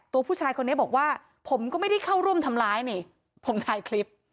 ตัวผู้ชายคนนี้บอกว่าผมก็ไม่ได้เข้าร่วมทำร้ายนี่ผมถ่ายคลิป